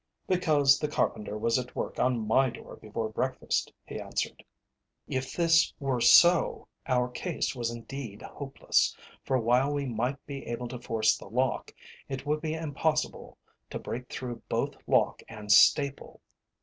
"Because the carpenter was at work on my door before breakfast," he answered. If this were so, our case was indeed hopeless, for while we might be able to force the lock, it would be impossible to break through both lock and staple.